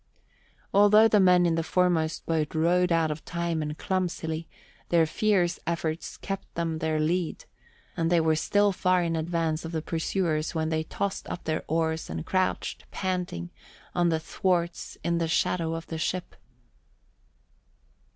Although the men in the foremost boat rowed out of time and clumsily, their fierce efforts kept them their lead, and they were still far in advance of their pursuers when they tossed up their oars and crouched panting on the thwarts in the shadow of the ship.